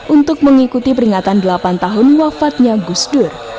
untuk mengikuti peringatan delapan tahun wafatnya gusdur